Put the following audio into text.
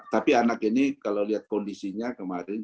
tapi anak ini kalau lihat kondisinya kemarin